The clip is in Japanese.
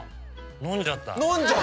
飲んじゃった。